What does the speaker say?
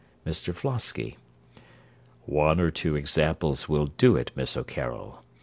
MR FLOSKY One or two examples will do it, Miss O'Carroll.